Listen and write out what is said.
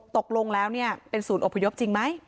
ตกลงแล้วเป็นศูนย์อพยพจริงไหม